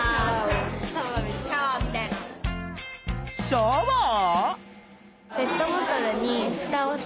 シャワー？